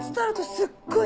すっごい